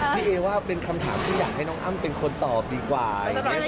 พี่เอว่าเป็นคำถามที่อยากให้น้องอ้ำเป็นคนตอบดีกว่าอย่างนี้